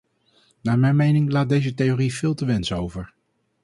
Naar mijn mening laat deze theorie veel te wensen over.